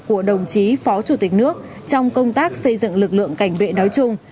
của đồng chí phó chủ tịch nước trong công tác xây dựng lực lượng cảnh vệ nói chung